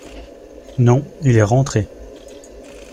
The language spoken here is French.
Non, il est rentré.